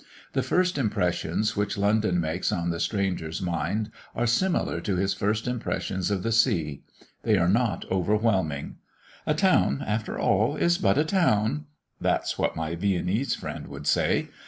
The first impressions which London makes on the stranger's mind are similar to his first impressions of the sea. They are not overwhelming. "A town, after all, is but a town"; that's what my Viennese friend would say.